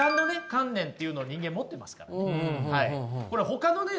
観念っていうのを人間持ってますからねほかのね